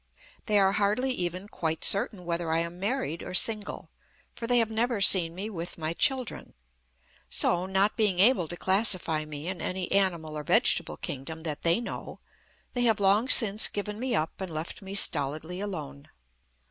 They are hardly even quite certain whether I am married or single; for they have never seen me with my children. So, not being able to classify me in any animal or vegetable kingdom that they know, they have long since given me up and left me stolidly alone.